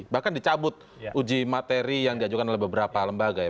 bahkan dicabut uji materi yang diajukan oleh beberapa lembaga ya